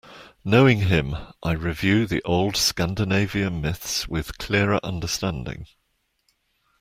Knowing him, I review the old Scandinavian myths with clearer understanding.